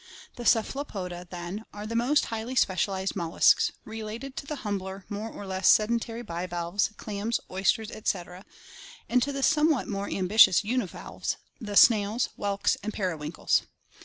The Cephalopoda, then, are the most highly specialized mol luscs, related to the humbler, more or less sedentary bivalves, clams, oysters, etc., and to the somewhat more ambitious univalves, the snails, whelks, and periwinkles.